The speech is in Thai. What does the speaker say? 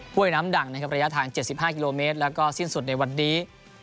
้วยน้ำดังนะครับระยะทาง๗๕กิโลเมตรแล้วก็สิ้นสุดในวันนี้